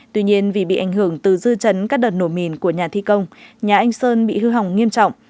tuy nhiên vì bị ảnh hưởng từ dư chấn các đợt nổ mìn của nhà thi công nhà anh sơn bị hư hỏng nghiêm trọng